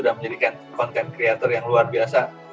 dan menjadikan konten kreator yang luar biasa